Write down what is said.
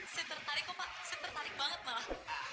saya tertarik kok pak saya tertarik banget malah